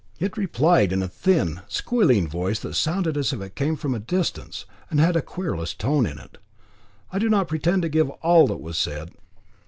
It replied in a thin, squealing voice that sounded as if it came from a distance, and had a querulous tone in it. I do not pretend to give all that was said.